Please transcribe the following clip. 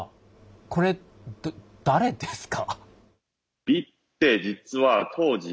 これ誰ですか？